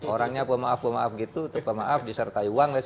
orangnya memaaf maaf gitu terpemaaf disertai wang gitu ya